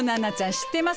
知ってます？